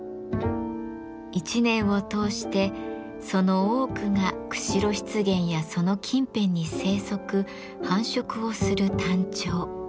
１年を通してその多くが釧路湿原やその近辺に生息繁殖をするタンチョウ。